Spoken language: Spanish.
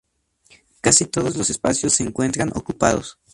Casi todos los espacios se encuentran ocupados.